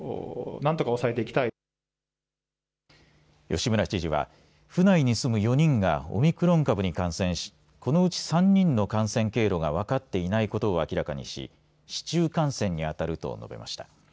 吉村知事は府内に住む４人がオミクロン株に感染し、このうち３人の感染経路が分かっていないことを明らかにし市中感染にあたると述べました。